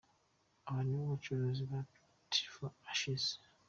Aba nibo bacuranzi ba Beauty for Ashes .